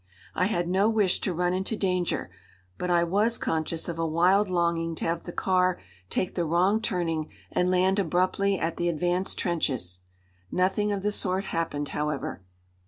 I had no wish to run into danger, but I was conscious of a wild longing to have the car take the wrong turning and land abruptly at the advance trenches. Nothing of the sort happened, however.